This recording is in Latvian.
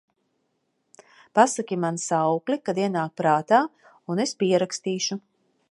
Pasaki man saukli, kad ienāk prātā, un es pierakstīšu…